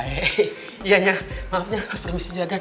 iya ma maaf ya permisi jagan